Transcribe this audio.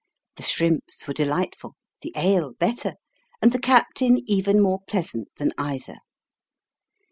The shrimps were delightful, the ale better, and the captain even more pleasant than either.